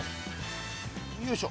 よいしょ。